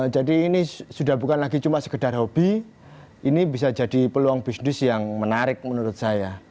jadi ini sudah bukan lagi cuma sekedar hobi ini bisa jadi peluang bisnis yang menarik menurut saya